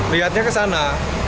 lihatnya ke sana